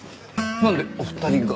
なんでお二人が？